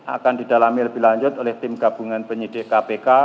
akan didalami lebih lanjut oleh tim gabungan penyidik kpk